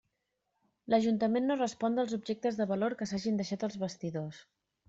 L'Ajuntament no respon dels objectes de valor que s'hagin deixat als vestidors.